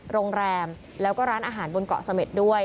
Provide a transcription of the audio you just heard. โรงแรมแล้วก็ร้านอาหารบนเกาะเสม็ดด้วย